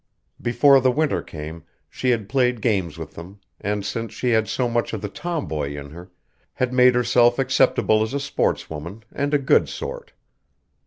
Before the winter came she had played games with them, and since she had so much of the tomboy in her, had made herself acceptable as a sportswoman and a good sort.